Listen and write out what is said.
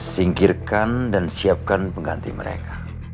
singkirkan dan siapkan pengganti mereka